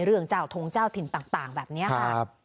เรื่องเจ้าทงเจ้าถิ่นต่างแบบนี้ค่ะ